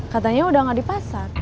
katanya udah nggak di pasar